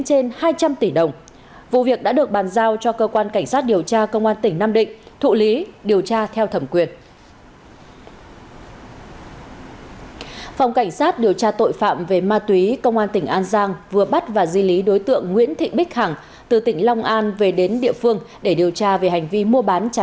trước đó cơ quan cảnh sát điều tra công an tỉnh thái bình đã ra quyết định khởi tố bị can lệnh khám xét nơi ở nơi làm việc đoạt tài sản